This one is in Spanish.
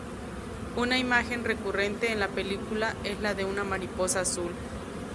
Una imagen recurrente en la película es la de una mariposa azul.